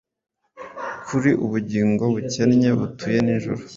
Kuri Ubugingo bukennye butuye nijoro,